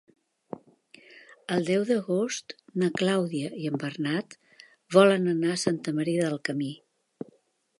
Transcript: El deu d'agost na Clàudia i en Bernat volen anar a Santa Maria del Camí.